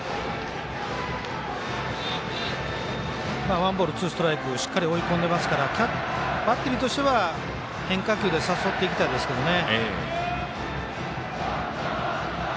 ワンボールツーストライクしっかり追い込んでますからバッテリーとしては変化球で誘っていきたいですね。